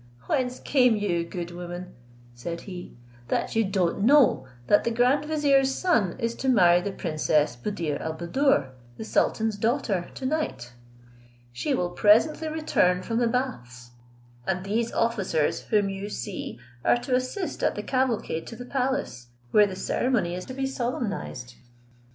Whence came you, good woman," said he, "that you don't know that the grand vizier's son is to marry the princess Buddir al Buddoor, the sultan's daughter, to night? She will presently return from the baths; and these officers whom you see are to assist at the cavalcade to the palace, where the ceremony is to be solemnized."